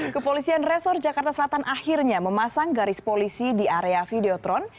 kepolisian resor jakarta selatan akhirnya memasang garis polisi di area videotron